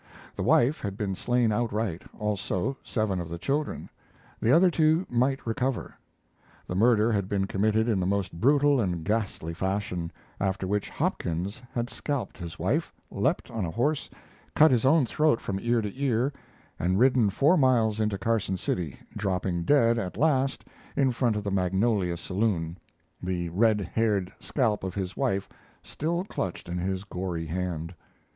The wife had been slain outright, also seven of the children; the other two might recover. The murder had been committed in the most brutal and ghastly fashion, after which Hopkins had scalped his wife, leaped on a horse, cut his own throat from ear to ear, and ridden four miles into Carson City, dropping dead at last in front of the Magnolia saloon, the red haired scalp of his wife still clutched in his gory hand.